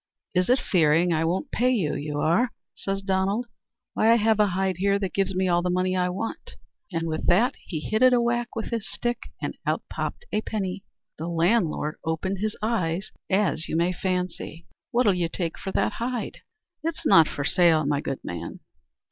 "Is it fearing I won't pay you, you are?" says Donald; "why I have a hide here that gives me all the money I want." And with that he hit it a whack with his stick and out hopped a penny. The landlord opened his eyes, as you may fancy. "What'll you take for that hide?" "It's not for sale, my good man."